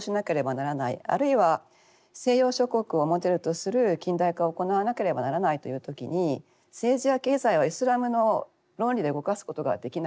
あるいは西洋諸国をモデルとする近代化を行わなければならないという時に政治や経済はイスラムの論理で動かすことができなくなっていた。